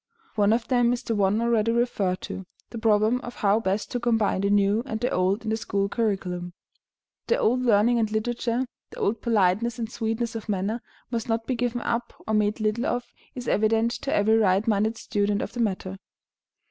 One of them is the one already referred to, the problem of how best to combine the new and the old in the school curriculum. That the old learning and literature, the old politeness and sweetness of manner, must not be given up or made little of, is evident to every right minded student of the matter.